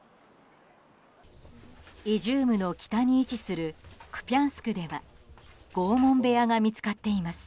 イジュームの北に位置するクピャンスクでは拷問部屋が見つかっています。